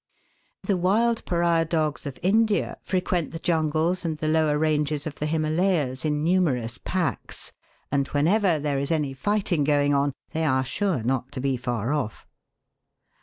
The wild pariah dogs of India frequent the jungles and the lower ranges of the Himalayas in numerous packs, and whenever there is any fighting going on they are sure not to be far off.